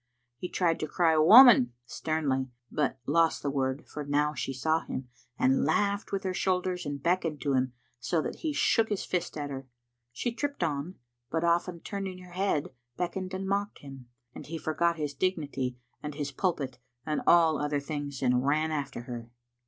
He tried to cry " Woman !" sternly, but lost the word, for now she saw him, and laughed with her shoulders, and beckoned to him, so that he shook his fist at her. She tripped on, but often turn ing her head beckoned and mocked him, and he forgot his dignity and his pulpit and all other things, and ran after her.